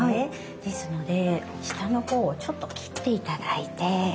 ですので下の方をちょっと切って頂いて。